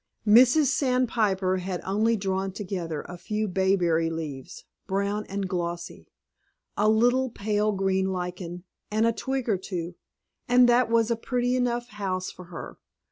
Mrs. Sandpiper had only drawn together a few bayberry leaves, brown and glossy, a little pale green lichen, and a twig or two, and that was a pretty enough house for her.